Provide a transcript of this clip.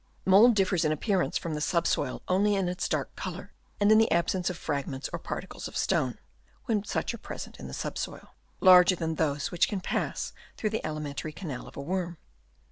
Mould differs in ap pearance from the subsoil only in its dark colour, and in the absence of fragments or particles of stone (when such are present in the subsoil), larger than those which can pass through the alimentary canal of a worm.